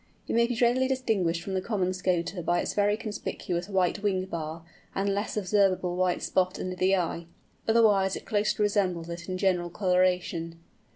It may be readily distinguished from the Common Scoter by its very conspicuous white wing bar, and less observable white spot under the eye; otherwise it closely resembles it in general colouration.